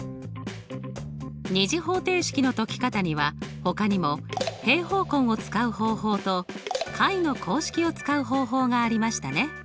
２次方程式の解き方にはほかにも平方根を使う方法と解の公式を使う方法がありましたね。